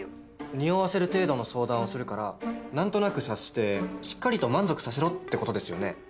におわせる程度の相談をするから何となく察してしっかりと満足させろってことですよね？